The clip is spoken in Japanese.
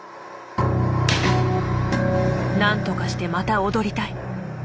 何とかしてまた踊りたい。